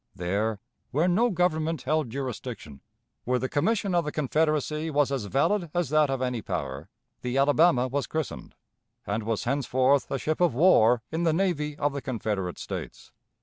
There, where no government held jurisdiction, where the commission of the Confederacy was as valid as that of any power, the Alabama was christened, and was henceforth a ship of war in the navy of the Confederate States.